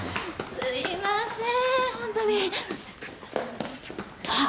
すいません。